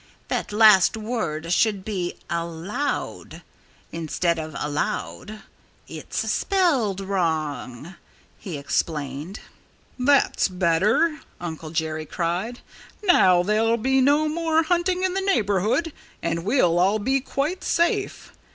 That last word should be 'allowed,' instead of 'aloud.' It's spelled wrong," he explained. "That's better!" Uncle Jerry cried. "Now there'll be no more hunting in the neighborhood and we'll all be quite safe....